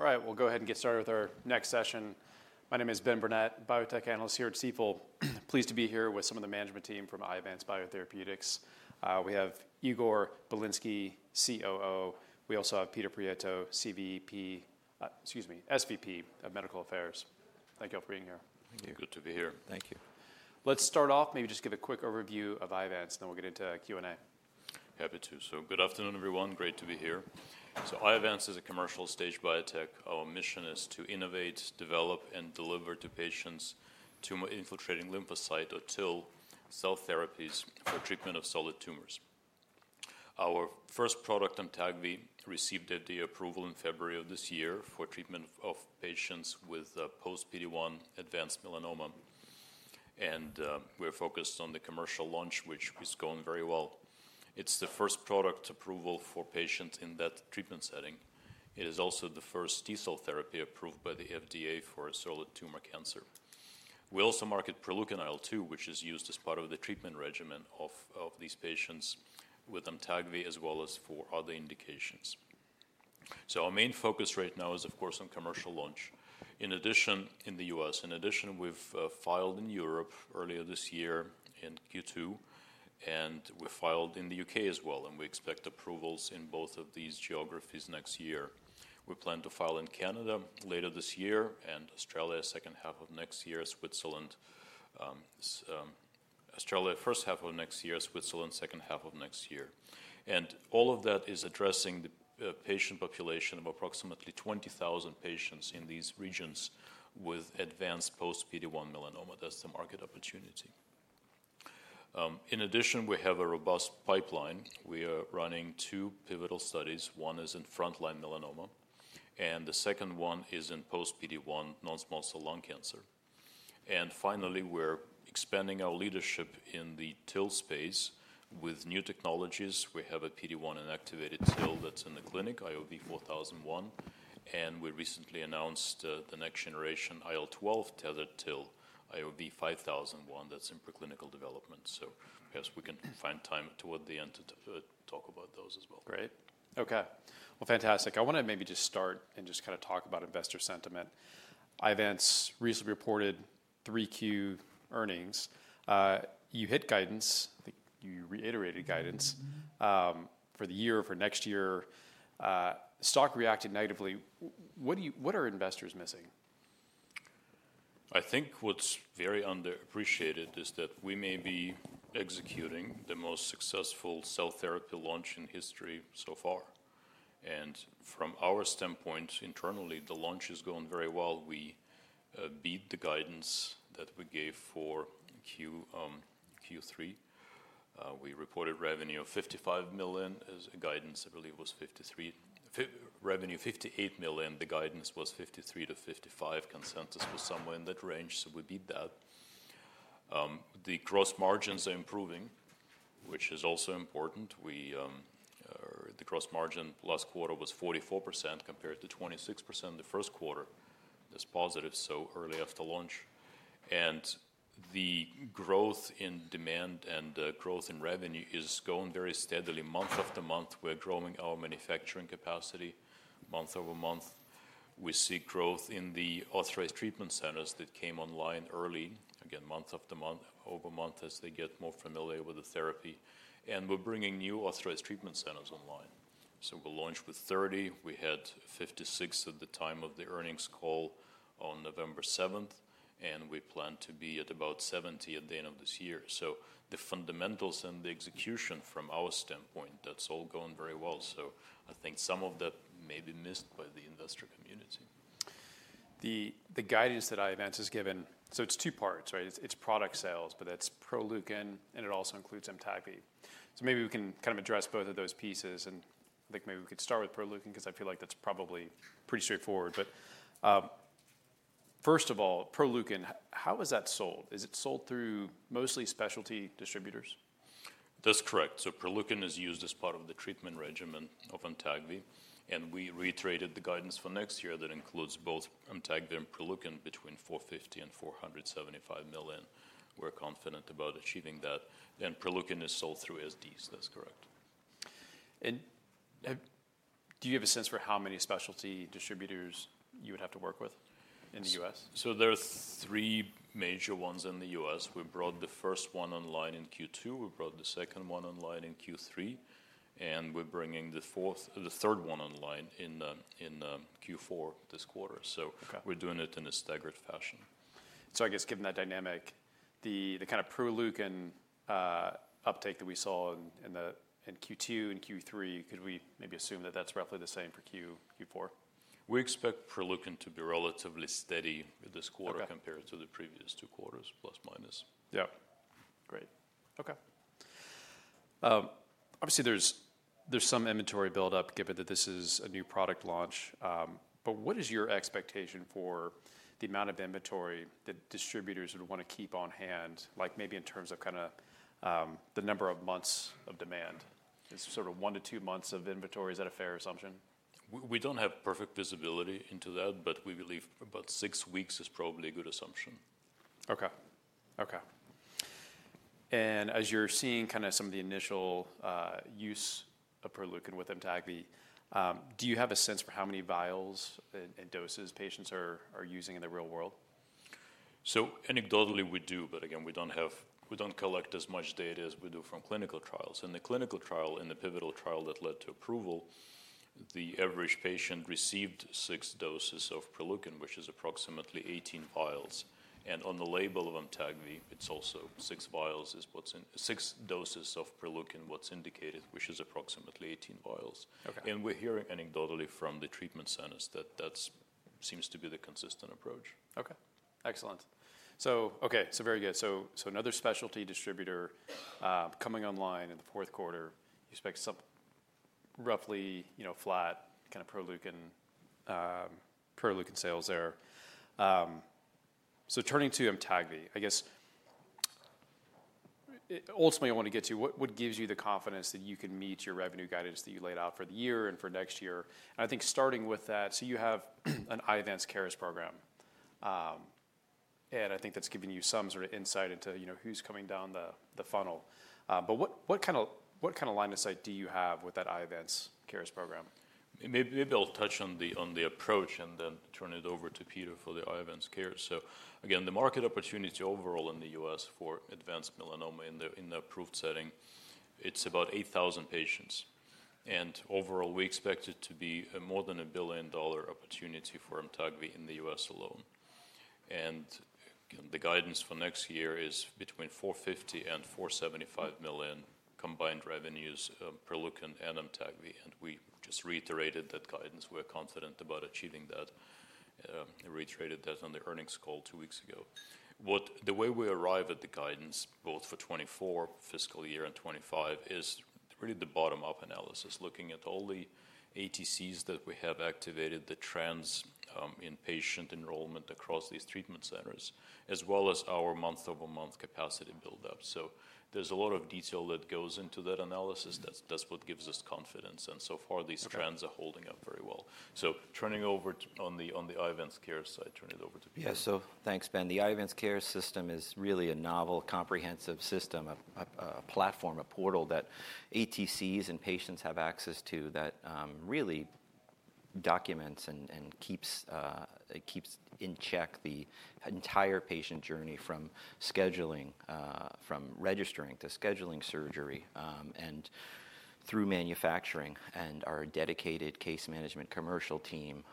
All right, we'll go ahead and get started with our next session. My name is Ben Burnett, Biotech Analyst here at Stifel. Pleased to be here with some of the management team from Iovance Biotherapeutics. We have Igor Bilinsky, COO. We also have Peter Prieto, CVP, excuse me, SVP of Medical Affairs. Thank you all for being here. Thank you. Good to be here. Thank you. Let's start off, maybe just give a quick overview of Iovance, then we'll get into Q&A. Happy to. So good afternoon, everyone. Great to be here. So Iovance is a commercial-stage biotech. Our mission is to innovate, develop, and deliver to patients tumor-infiltrating lymphocyte or TIL cell therapies for treatment of solid tumors. Our first product Amtagvi received the approval in February of this year for treatment of patients with post-PD-1 advanced melanoma. And we're focused on the commercial launch, which is going very well. It's the first product approval for patients in that treatment setting. It is also the first T-cell therapy approved by the FDA for solid tumor cancer. We also market Proleukin, which is used as part of the treatment regimen of these patients with Amtagvi, as well as for other indications. So our main focus right now is, of course, on commercial launch. In addition, in the U.S., in addition, we've filed in Europe earlier this year in Q2, and we filed in the U.K. as well, and we expect approvals in both of these geographies next year. We plan to file in Canada later this year and Australia second half of next year, Switzerland, Australia first half of next year, Switzerland second half of next year, and all of that is addressing the patient population of approximately 20,000 patients in these regions with advanced post-PD-1 melanoma. That's the market opportunity. In addition, we have a robust pipeline. We are running two pivotal studies. One is in frontline melanoma, and the second one is in post-PD-1 non-small cell lung cancer, and finally, we're expanding our leadership in the TIL space with new technologies. We have a PD-1 inactivated TIL that's in the clinic, IOV-4001. We recently announced the next generation IL-12 tethered TIL, IOV-5001. That's in preclinical development. Yes, we can find time toward the end to talk about those as well. Great. Okay. Fantastic. I want to maybe just start and just kind of talk about investor sentiment. Iovance recently reported 3Q earnings. You hit guidance. I think you reiterated guidance for the year, for next year. Stock reacted negatively. What are investors missing? I think what's very underappreciated is that we may be executing the most successful cell therapy launch in history so far. And from our standpoint internally, the launch has gone very well. We beat the guidance that we gave for Q3. We reported revenue of $55 million against guidance. I believe it was $53 million-$58 million. The guidance was $53 million-$55 million. Consensus was somewhere in that range. So we beat that. The gross margins are improving, which is also important. The gross margin last quarter was 44% compared to 26% the first quarter. That's positive. So early after launch. And the growth in demand and growth in revenue is going very steadily. Month after month, we're growing our manufacturing capacity month-over-month. We see growth in the Authorized Treatment Centers that came online early, again, month-after-month, over month as they get more familiar with the therapy. And we're bringing new Authorized Treatment Centers online. So we launched with 30. We had 56 at the time of the earnings call on November 7th, and we plan to be at about 70 at the end of this year. So the fundamentals and the execution from our standpoint, that's all going very well. So I think some of that may be missed by the investor community. The guidance that Iovance has given, so it's two parts, right? It's product sales, but that's Proleukin, and it also includes Amtagvi. So maybe we can kind of address both of those pieces. And I think maybe we could start with Proleukin because I feel like that's probably pretty straightforward. But first of all, Proleukin, how is that sold? Is it sold through mostly specialty distributors? That's correct. So Proleukin is used as part of the treatment regimen of Amtagvi. And we reiterated the guidance for next year that includes both Amtagvi and Proleukin between $450 million and $475 million. We're confident about achieving that. And Proleukin is sold through SDs. That's correct. Do you have a sense for how many specialty distributors you would have to work with in the U.S.? So there are three major ones in the U.S. We brought the first one online in Q2. We brought the second one online in Q3. And we're bringing the third one online in Q4 this quarter. So we're doing it in a staggered fashion. So I guess given that dynamic, the kind of Proleukin uptake that we saw in Q2 and Q3, could we maybe assume that that's roughly the same for Q4? We expect Proleukin to be relatively steady this quarter compared to the previous two quarters, plus minus. Yeah. Great. Okay. Obviously, there's some inventory buildup given that this is a new product launch. But what is your expectation for the amount of inventory that distributors would want to keep on hand, like maybe in terms of kind of the number of months of demand? Is sort of one to two months of inventory, is that a fair assumption? We don't have perfect visibility into that, but we believe about six weeks is probably a good assumption. Okay. Okay. And as you're seeing kind of some of the initial use of Proleukin with Amtagvi, do you have a sense for how many vials and doses patients are using in the real world? So anecdotally, we do. But again, we don't collect as much data as we do from clinical trials. In the clinical trial, in the pivotal trial that led to approval, the average patient received six doses of Proleukin, which is approximately 18 vials. And on the label of Amtagvi, it's also six vials is what's in six doses of Proleukin, what's indicated, which is approximately 18 vials. And we're hearing anecdotally from the treatment centers that that seems to be the consistent approach. Okay. Excellent. So okay, so very good. So another specialty distributor coming online in the fourth quarter, you expect roughly flat kind of Proleukin sales there. So turning to Amtagvi, I guess ultimately I want to get to what gives you the confidence that you can meet your revenue guidance that you laid out for the year and for next year. And I think starting with that, so you have an Iovance Cares program. And I think that's giving you some sort of insight into who's coming down the funnel. But what kind of line of sight do you have with that Iovance Cares program? Maybe I'll touch on the approach and then turn it over to Peter for the Iovance Cares. So again, the market opportunity overall in the U.S. for advanced melanoma in the approved setting, it's about 8,000 patients. Overall, we expect it to be more than a $1 billion opportunity for Amtagvi in the U.S. alone. The guidance for next year is between $450 million-475 million combined revenues Proleukin and Amtagvi. We just reiterated that guidance. We're confident about achieving that. I reiterated that on the earnings call two weeks ago. The way we arrive at the guidance, both for 2024 fiscal year and 2025, is really the bottom-up analysis, looking at all the ATCs that we have activated, the trends in patient enrollment across these treatment centers, as well as our month-over-month capacity buildup. So there's a lot of detail that goes into that analysis. That's what gives us confidence, and so far, these trends are holding up very well, so turning over on the Iovance Cares side, turn it over to Peter. Yeah. So thanks, Ben. The Iovance Cares system is really a novel comprehensive system, a platform, a portal that ATCs and patients have access to that really documents and keeps in check the entire patient journey from scheduling, from registering to scheduling surgery, and through manufacturing. And our dedicated case management commercial team,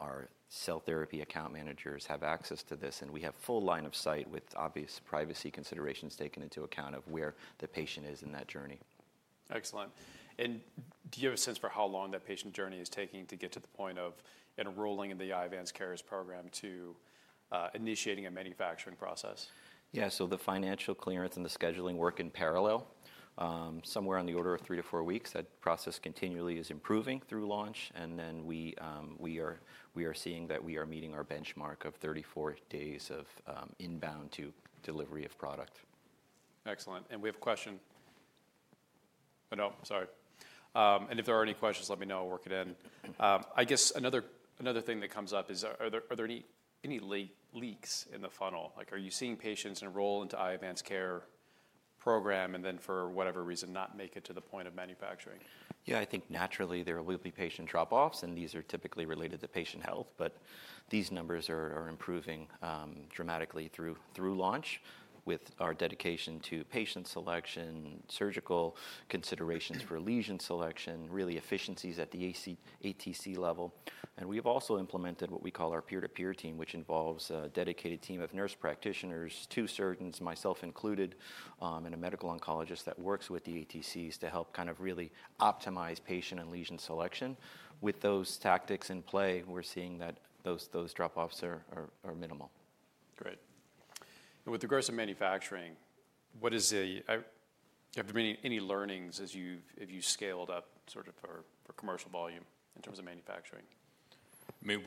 our cell therapy account managers, have access to this. And we have full line of sight, with obvious privacy considerations taken into account, of where the patient is in that journey. Excellent. And do you have a sense for how long that patient journey is taking to get to the point of enrolling in the Iovance Cares program to initiating a manufacturing process? Yeah. So the financial clearance and the scheduling work in parallel, somewhere on the order of three to four weeks. That process continually is improving through launch. And then we are seeing that we are meeting our benchmark of 34 days of inbound to delivery of product. Excellent. And we have a question. Oh, no, sorry. And if there are any questions, let me know. I'll work it in. I guess another thing that comes up is, are there any leaks in the funnel? Are you seeing patients enroll into Iovance Cares program and then for whatever reason not make it to the point of manufacturing? Yeah, I think naturally there will be patient drop-offs, and these are typically related to patient health. But these numbers are improving dramatically through launch with our dedication to patient selection, surgical considerations for lesion selection, really efficiencies at the ATC level. And we have also implemented what we call our peer-to-peer team, which involves a dedicated team of nurse practitioners, two surgeons, myself included, and a medical oncologist that works with the ATCs to help kind of really optimize patient and lesion selection. With those tactics in play, we're seeing that those drop-offs are minimal. Great. And with regards to manufacturing, have there been any learnings as you've scaled up sort of for commercial volume in terms of manufacturing? I mean,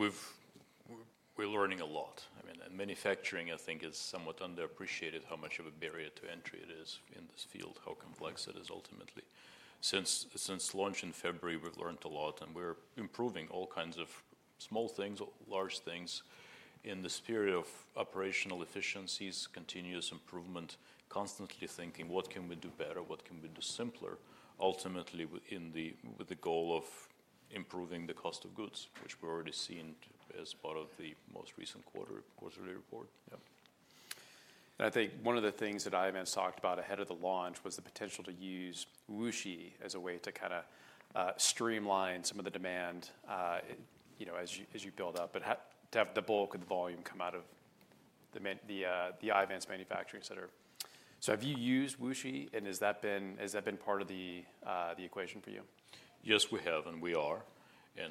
we're learning a lot. I mean, manufacturing, I think, is somewhat underappreciated, how much of a barrier to entry it is in this field, how complex it is ultimately. Since launch in February, we've learned a lot and we're improving all kinds of small things, large things in the spirit of operational efficiencies, continuous improvement, constantly thinking, what can we do better, what can we do simpler, ultimately with the goal of improving the cost of goods, which we're already seeing as part of the most recent quarterly report. Yeah. I think one of the things that Iovance talked about ahead of the launch was the potential to use WuXi as a way to kind of streamline some of the demand as you build up, but to have the bulk of the volume come out of the Iovance manufacturing center. Have you used WuXi, and has that been part of the equation for you? Yes, we have, and we are.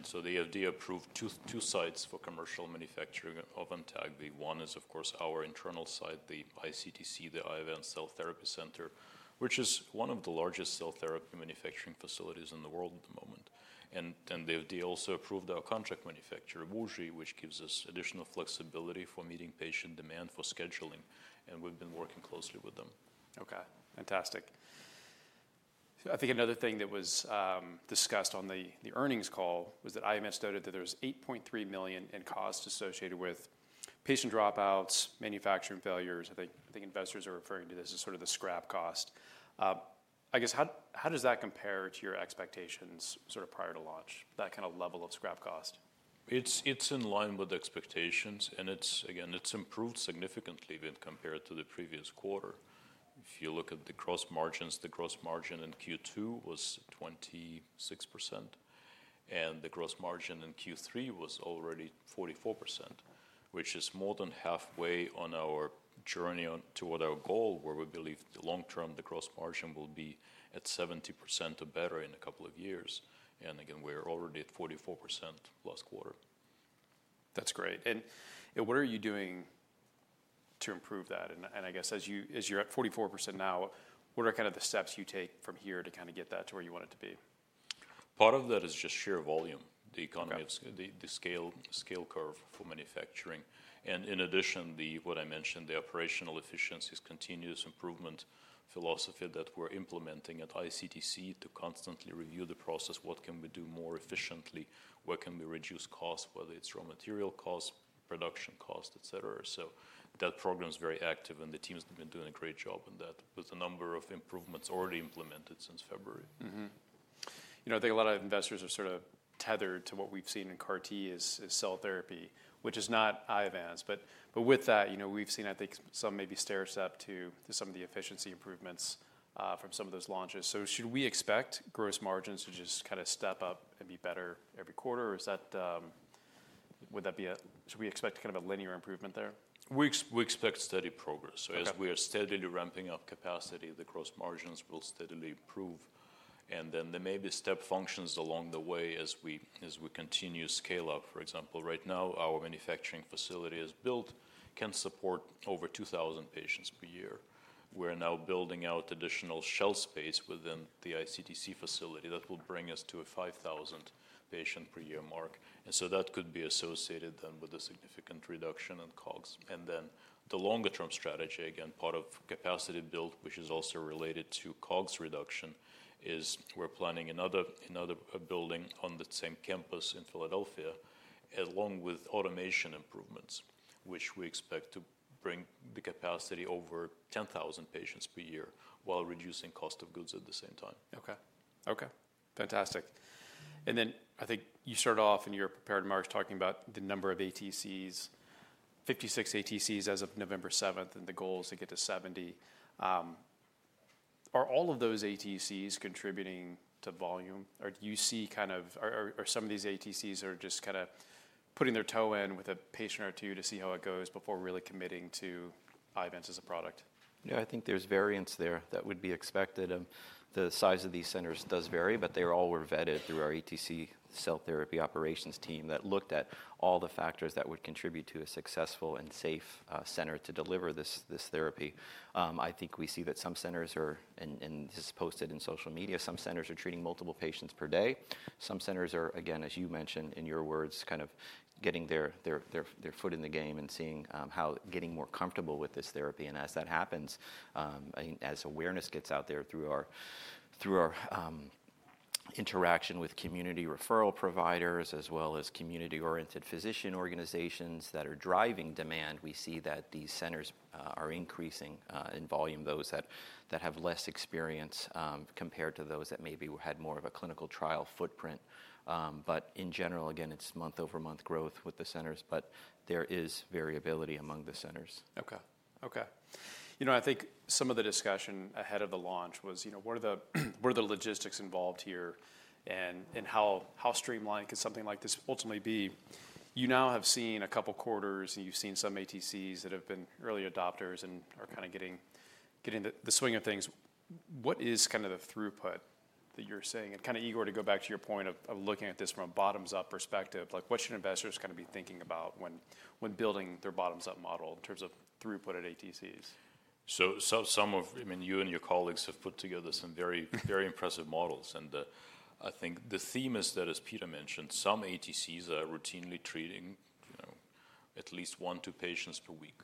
So they have approved two sites for commercial manufacturing of Amtagvi. One is, of course, our internal site, the ICTC, the Iovance Cell Therapy Center, which is one of the largest cell therapy manufacturing facilities in the world at the moment. And they have also approved our contract manufacturer, WuXi, which gives us additional flexibility for meeting patient demand for scheduling. And we've been working closely with them. Okay. Fantastic. I think another thing that was discussed on the earnings call was that Iovance noted that there was $8.3 million in cost associated with patient dropouts, manufacturing failures. I think investors are referring to this as sort of the scrap cost. I guess how does that compare to your expectations sort of prior to launch, that kind of level of scrap cost? It's in line with expectations. Again, it's improved significantly when compared to the previous quarter. If you look at the gross margins, the gross margin in Q2 was 26%. The gross margin in Q3 was already 44%, which is more than halfway on our journey toward our goal where we believe long-term the gross margin will be at 70% or better in a couple of years. Again, we're already at 44% last quarter. That's great. And what are you doing to improve that? And I guess as you're at 44% now, what are kind of the steps you take from here to kind of get that to where you want it to be? Part of that is just sheer volume, the scale curve for manufacturing. And in addition, what I mentioned, the operational efficiencies, continuous improvement philosophy that we're implementing at ICTC to constantly review the process, what can we do more efficiently, what can we reduce cost, whether it's raw material cost, production cost, etc. So that program is very active, and the teams have been doing a great job in that with a number of improvements already implemented since February. I think a lot of investors are sort of tethered to what we've seen in CAR-T, which is cell therapy, which is not Iovance. But with that, we've seen, I think, some maybe step-ups to some of the efficiency improvements from some of those launches. So should we expect gross margins to just kind of step up and be better every quarter? Or should we expect kind of a linear improvement there? We expect steady progress. As we are steadily ramping up capacity, the gross margins will steadily improve. Then there may be step functions along the way as we continue to scale up. For example, right now, our manufacturing facility is built to support over 2,000 patients per year. We are now building out additional shell space within the ICTC facility that will bring us to a 5,000 patient per year mark. So that could be associated then with a significant reduction in COGS. Then the longer-term strategy, again, part of capacity build, which is also related to COGS reduction, is we are planning another building on the same campus in Philadelphia, along with automation improvements, which we expect to bring the capacity over 10,000 patients per year while reducing cost of goods at the same time. Okay. Okay. Fantastic. And then I think you started off in your prepared remarks talking about the number of ATCs, 56 ATCs as of November 7th, and the goal is to get to 70. Are all of those ATCs contributing to volume? Or do you see kind of some of these ATCs are just kind of putting their toe in with a patient or two to see how it goes before really committing to Iovance as a product? Yeah, I think there's variance there that would be expected. The size of these centers does vary, but they all were vetted through our ATC Cell Therapy Operations team that looked at all the factors that would contribute to a successful and safe center to deliver this therapy. I think we see that some centers are, and this is posted in social media, some centers are treating multiple patients per day. Some centers are, again, as you mentioned in your words, kind of getting their foot in the game and seeing how getting more comfortable with this therapy, and as that happens, as awareness gets out there through our interaction with community referral providers as well as community-oriented physician organizations that are driving demand, we see that these centers are increasing in volume, those that have less experience compared to those that maybe had more of a clinical trial footprint. But in general, again, it's month-over-month growth with the centers, but there is variability among the centers. Okay. Okay. I think some of the discussion ahead of the launch was, what are the logistics involved here and how streamlined could something like this ultimately be? You now have seen a couple of quarters, and you've seen some ATCs that have been early adopters and are kind of getting the swing of things. What is kind of the throughput that you're seeing, and kind of Igor, to go back to your point of looking at this from a bottoms-up perspective, what should investors kind of be thinking about when building their bottoms-up model in terms of throughput at ATCs? So, some of, I mean, you and your colleagues have put together some very impressive models. And I think the theme is that, as Peter mentioned, some ATCs are routinely treating at least one to two patients per week.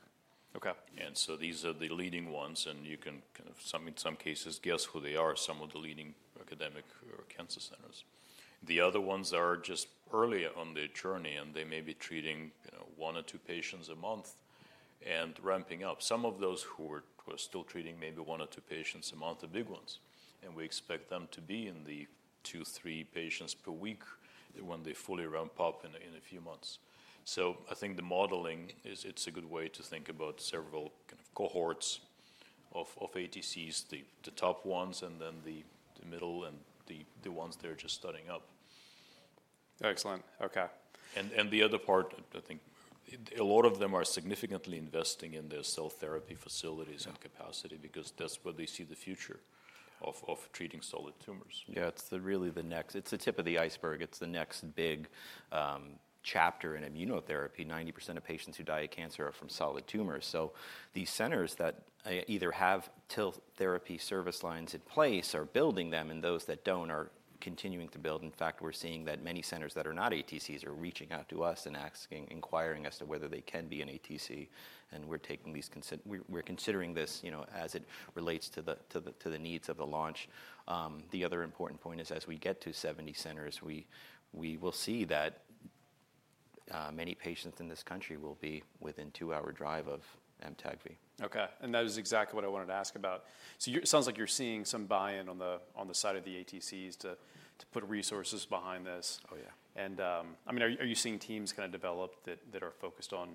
And so these are the leading ones. And you can kind of, in some cases, guess who they are, some of the leading academic cancer centers. The other ones are just earlier on the journey, and they may be treating one or two patients a month and ramping up. Some of those who are still treating maybe one or two patients a month are big ones. And we expect them to be in the two, three patients per week when they fully ramp up in a few months. I think the modeling, it's a good way to think about several kind of cohorts of ATCs, the top ones, and then the middle and the ones they're just starting up. Excellent. Okay. The other part, I think a lot of them are significantly investing in their cell therapy facilities and capacity because that's where they see the future of treating solid tumors. Yeah, it's really the next. It's the tip of the iceberg. It's the next big chapter in immunotherapy. 90% of patients who die of cancer are from solid tumors. So these centers that either have therapy service lines in place are building them, and those that don't are continuing to build. In fact, we're seeing that many centers that are not ATCs are reaching out to us and asking, inquiring as to whether they can be an ATC. And we're considering this as it relates to the needs of the launch. The other important point is, as we get to 70 centers, we will see that many patients in this country will be within a two-hour drive of Amtagvi. Okay. And that is exactly what I wanted to ask about. So it sounds like you're seeing some buy-in on the side of the ATCs to put resources behind this. Oh, yeah. I mean, are you seeing teams kind of develop that are focused on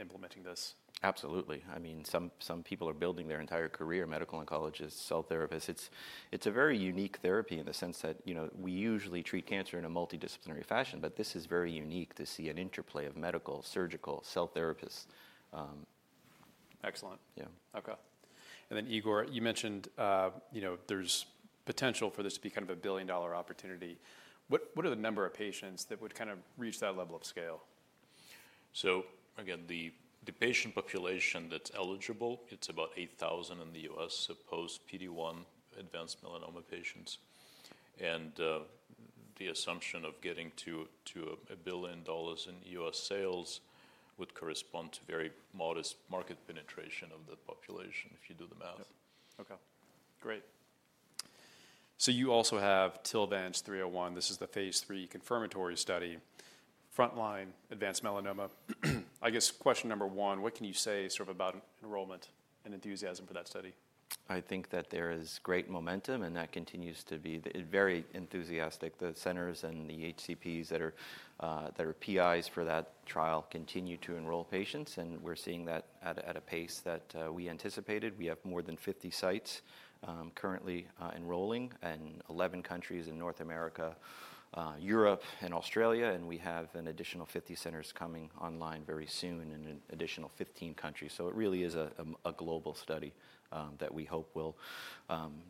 implementing this? Absolutely. I mean, some people are building their entire career, medical oncologists, cell therapists. It's a very unique therapy in the sense that we usually treat cancer in a multidisciplinary fashion, but this is very unique to see an interplay of medical, surgical, cell therapists. Excellent. Yeah. Okay. And then Igor, you mentioned there's potential for this to be kind of a billion-dollar opportunity. What are the number of patients that would kind of reach that level of scale? So again, the patient population that's eligible, it's about 8,000 in the U.S., post-PD-1 advanced melanoma patients, and the assumption of getting to $1 billion in U.S. sales would correspond to very modest market penetration of that population if you do the math. Okay. Great. So you also have TILVANCE-301. This is the phase III confirmatory study, frontline advanced melanoma. I guess question number one, what can you say sort of about enrollment and enthusiasm for that study? I think that there is great momentum, and that continues to be very enthusiastic. The centers and the HCPs that are PIs for that trial continue to enroll patients, and we're seeing that at a pace that we anticipated. We have more than 50 sites currently enrolling in 11 countries in North America, Europe, and Australia, and we have an additional 50 centers coming online very soon in an additional 15 countries. So it really is a global study that we hope will,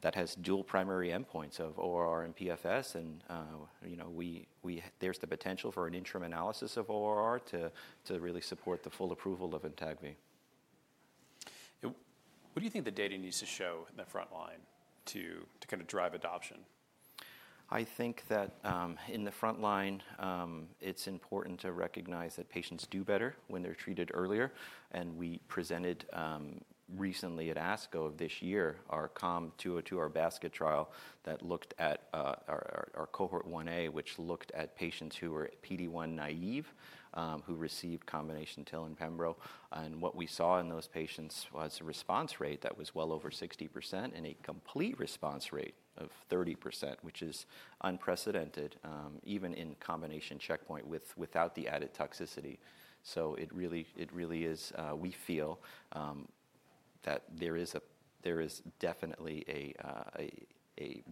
that has dual primary endpoints of ORR and PFS, and there's the potential for an interim analysis of ORR to really support the full approval of Amtagvi. What do you think the data needs to show in the frontline to kind of drive adoption? I think that in the frontline, it's important to recognize that patients do better when they're treated earlier, and we presented recently at ASCO of this year our COM-202, our basket trial that looked at our Cohort 1A, which looked at patients who were PD-1 naive, who received combination TIL and Pembro, and what we saw in those patients was a response rate that was well over 60% and a complete response rate of 30%, which is unprecedented even in combination checkpoint without the added toxicity, so it really is, we feel, that there is definitely a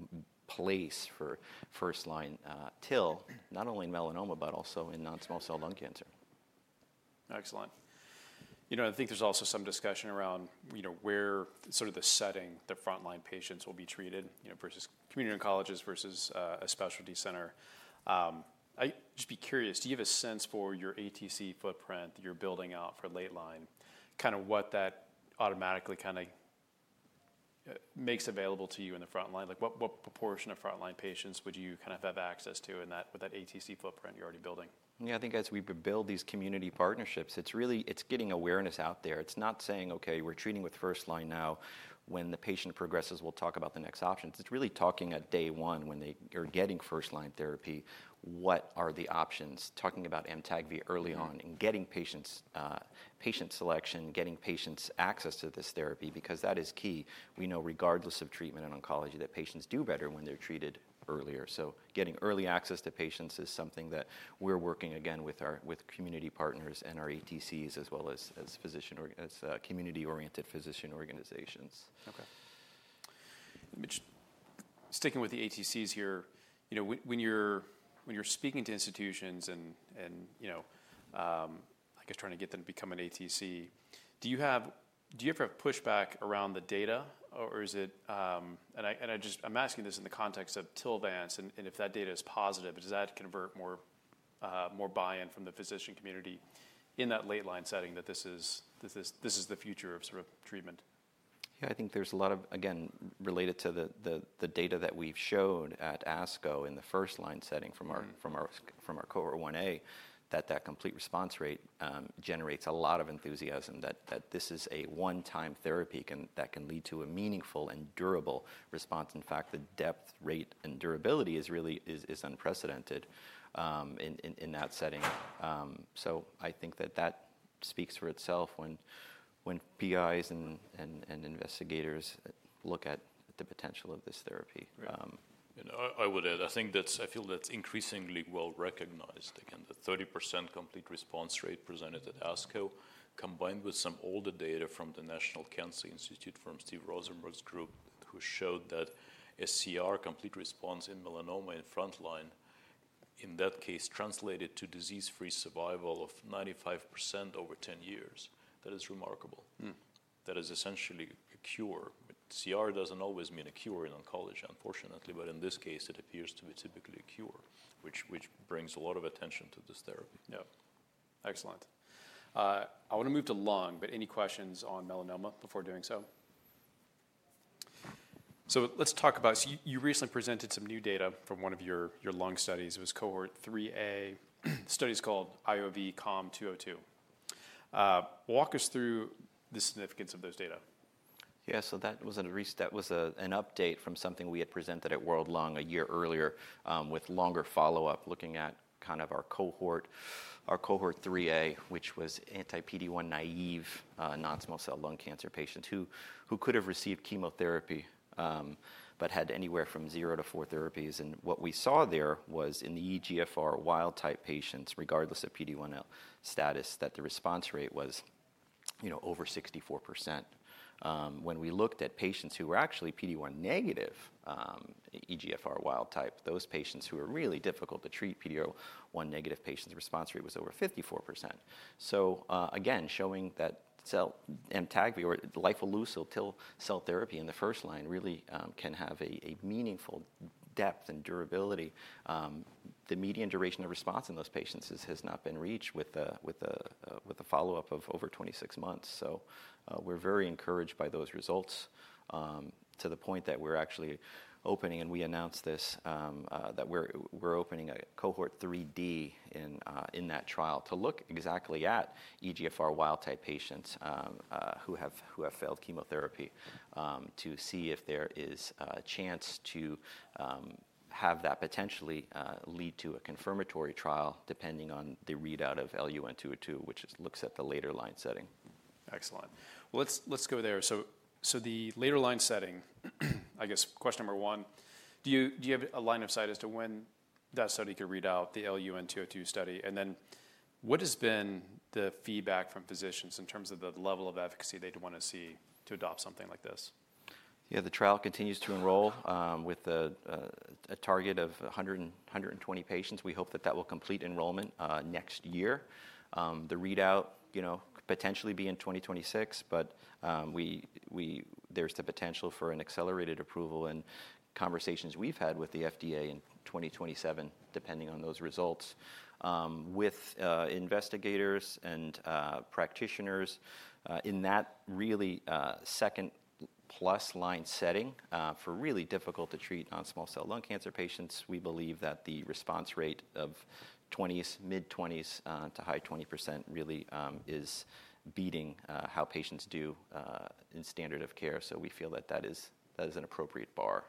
place for first-line TIL, not only in melanoma, but also in non-small cell lung cancer. Excellent. I think there's also some discussion around where sort of the setting the frontline patients will be treated versus community oncologists versus a specialty center. I'd just be curious, do you have a sense for your ATC footprint that you're building out for late line, kind of what that automatically kind of makes available to you in the frontline? What proportion of frontline patients would you kind of have access to with that ATC footprint you're already building? Yeah, I think as we build these community partnerships, it's getting awareness out there. It's not saying, "Okay, we're treating with first line now. When the patient progresses, we'll talk about the next options." It's really talking at day one when they are getting first-line therapy, what are the options, talking about Amtagvi early on and getting patient selection, getting patient access to this therapy because that is key. We know regardless of treatment in oncology that patients do better when they're treated earlier. So getting early access to patients is something that we're working again with community partners and our ATCs as well as community-oriented physician organizations. Okay. Sticking with the ATCs here, when you're speaking to institutions and I guess trying to get them to become an ATC, do you ever have pushback around the data? Or is it, and I'm asking this in the context of TILVANCE, and if that data is positive, does that convert more buy-in from the physician community in that late line setting that this is the future of sort of treatment? Yeah, I think there's a lot of, again, related to the data that we've showed at ASCO in the first-line setting from our Cohort 1A, that that complete response rate generates a lot of enthusiasm, that this is a one-time therapy that can lead to a meaningful and durable response. In fact, the depth, rate, and durability is unprecedented in that setting. So I think that that speaks for itself when PIs and investigators look at the potential of this therapy. I would add, I feel that's increasingly well recognized. Again, the 30% complete response rate presented at ASCO, combined with some older data from the National Cancer Institute from Steve Rosenberg's group, who showed that a CR complete response in melanoma in frontline, in that case, translated to disease-free survival of 95% over 10 years. That is remarkable. That is essentially a cure. CR doesn't always mean a cure in oncology, unfortunately, but in this case, it appears to be typically a cure, which brings a lot of attention to this therapy. Yeah. Excellent. I want to move to lung, but any questions on melanoma before doing so? So let's talk about, so you recently presented some new data from one of your lung studies. It was Cohort 3A, studies called IOV-COM-202. Walk us through the significance of those data. Yeah, so that was an update from something we had presented at World Lung a year earlier with longer follow-up looking at kind of our Cohort 3A, which was anti-PD-1 naive non-small cell lung cancer patients who could have received chemotherapy but had anywhere from zero to four therapies. And what we saw there was in the EGFR wild type patients, regardless of PD-L1 status, that the response rate was over 64%. When we looked at patients who were actually PD-1 negative EGFR wild type, those patients who are really difficult to treat, PD-1 negative patients, response rate was over 54%. So again, showing that Amtagvi or lifileucel TIL cell therapy in the first line really can have a meaningful depth and durability. The median duration of response in those patients has not been reached with a follow-up of over 26 months. We're very encouraged by those results to the point that we're actually opening, and we announced this, that we're opening a Cohort 3D in that trial to look exactly at EGFR wild type patients who have failed chemotherapy to see if there is a chance to have that potentially lead to a confirmatory trial depending on the readout of LUN-202, which looks at the later line setting. Excellent. Let's go there. The later line setting, I guess question number one, do you have a line of sight as to when that study could read out the LUN-202 study? And then what has been the feedback from physicians in terms of the level of efficacy they'd want to see to adopt something like this? Yeah, the trial continues to enroll with a target of 120 patients. We hope that that will complete enrollment next year. The readout potentially be in 2026, but there's the potential for an accelerated approval in conversations we've had with the FDA in 2027, depending on those results. With investigators and practitioners in that really second plus line setting for really difficult to treat non-small cell lung cancer patients, we believe that the response rate of mid-20s to high 20% really is beating how patients do in standard of care. So we feel that that is an appropriate bar.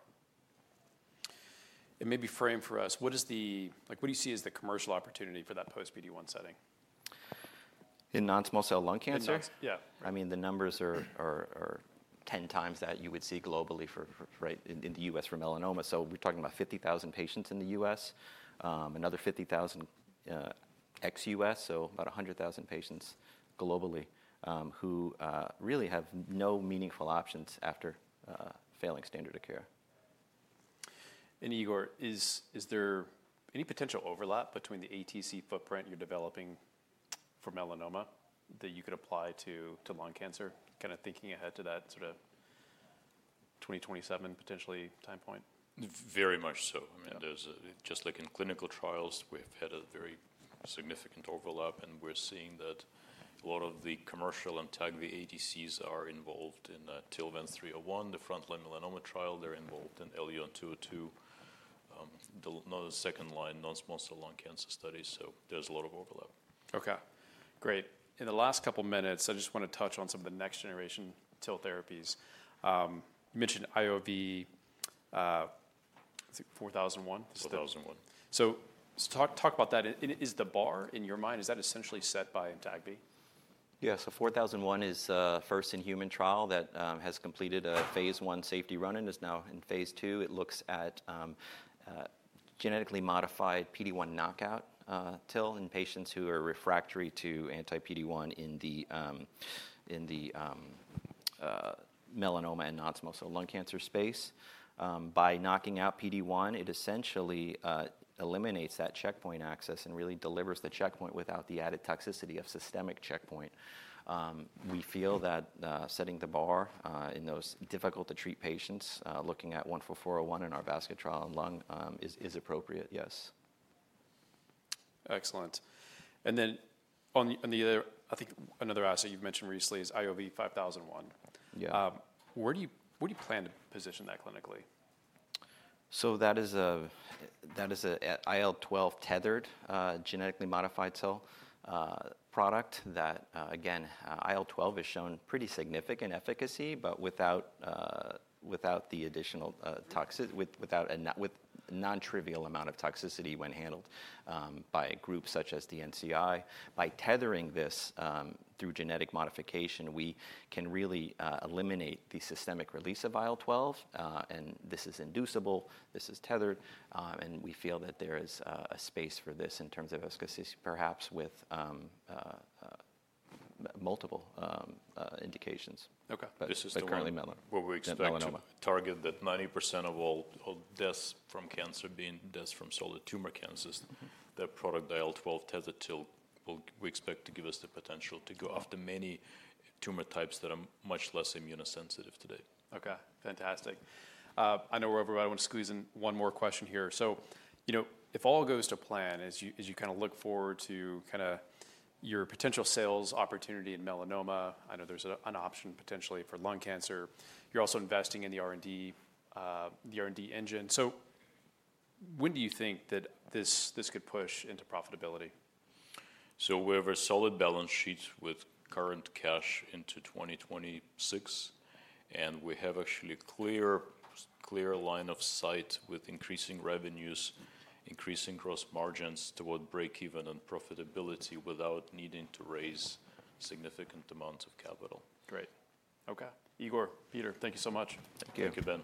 Maybe frame for us, what do you see as the commercial opportunity for that post-PD-1 setting? In non-small cell lung cancer? In cancer, yeah. I mean, the numbers are 10 times that you would see globally in the U.S. for melanoma. So we're talking about 50,000 patients in the U.S., another 50,000 ex-U.S., so about 100,000 patients globally who really have no meaningful options after failing standard of care. Igor, is there any potential overlap between the ATC footprint you're developing for melanoma that you could apply to lung cancer, kind of thinking ahead to that sort of 2027 potentially time point? Very much so. I mean, just like in clinical trials, we've had a very significant overlap, and we're seeing that a lot of the commercial Amtagvi ATCs are involved in TILVANCE-301, the frontline melanoma trial. They're involved in LUN-202, the second line non-small cell lung cancer studies. So there's a lot of overlap. Okay. Great. In the last couple of minutes, I just want to touch on some of the next generation TIL therapies. You mentioned IOV-4001. 4001. So talk about that. Is the bar in your mind, is that essentially set by MTAGV? Yeah, so IOV-4001 is a first in human trial that has completed a phase I safety run and is now in phase II. It looks at genetically modified PD-1 knockout TIL in patients who are refractory to anti-PD-1 in the melanoma and non-small cell lung cancer space. By knocking out PD-1, it essentially eliminates that checkpoint access and really delivers the checkpoint without the added toxicity of systemic checkpoint. We feel that setting the bar in those difficult to treat patients, looking at IOV-4001 in our basket trial in lung, is appropriate, yes. Excellent. And then on the other, I think another asset you've mentioned recently is IOV-5001. Where do you plan to position that clinically? So that is an IL-12 tethered genetically modified cell product that, again, IL-12 has shown pretty significant efficacy, but without the additional toxicity, with a non-trivial amount of toxicity when handled by groups such as the NCI. By tethering this through genetic modification, we can really eliminate the systemic release of IL-12, and this is inducible. This is tethered, and we feel that there is a space for this in terms of efficacy, perhaps with multiple indications. Okay. This is the current melanoma. What we expect to target, that 90% of all deaths from cancer being deaths from solid tumor cancers, that product IL-12 tethered TIL, we expect to give us the potential to go after many tumor types that are much less immunosensitive today. Okay. Fantastic. I know we're over, but I want to squeeze in one more question here. So if all goes to plan, as you kind of look forward to kind of your potential sales opportunity in melanoma, I know there's an option potentially for lung cancer. You're also investing in the R&D engine. So when do you think that this could push into profitability? So we have a solid balance sheet with current cash into 2026, and we have actually a clear line of sight with increasing revenues, increasing gross margins toward breakeven and profitability without needing to raise significant amounts of capital. Great. Okay. Igor, Peter, thank you so much. Thank you. Thank you, Ben.